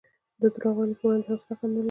د درواغ ویلو په وړاندې هم صداقت نه لري.